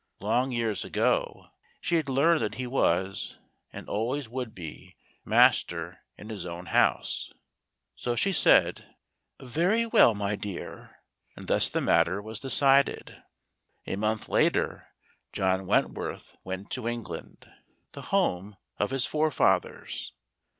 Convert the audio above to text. Long years ago she had learned that he was, and always would be, master in his own house; so she said, " Very well, my dear;" and thus the matter was de¬ cided. A month later John Wentworth went to England, the home of his forefathers.